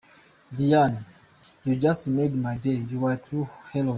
Diane, you just made my day, you are a true heroe!